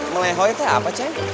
melehoi itu apa ceng